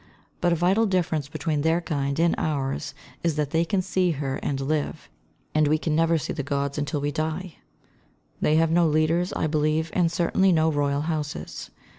But a vital difference between their kind and ours is that they can see her and live; and we never see the Gods until we die. They have no other leaders, I believe, and certainly no royal houses.